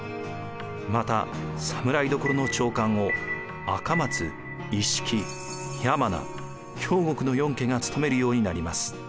また侍所の長官を赤松・一色・山名・京極の四家が務めるようになります。